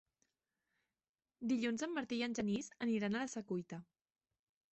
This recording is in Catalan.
Dilluns en Martí i en Genís aniran a la Secuita.